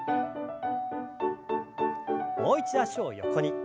もう一度脚を横に。